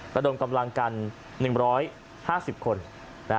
ระดมกำลังกัน๑๕๐คน